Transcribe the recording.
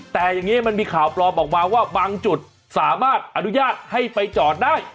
แต่อย่างนี้มันมีข่าวปลอมออกมาว่าบางจุดสามารถอนุญาตให้ไปจอดได้